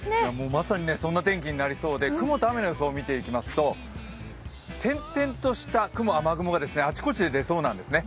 まさにそんな天気になりそうで、雲と雨の予想を見てみますと点々とした雲、雨雲があちこちで出そうなんですね。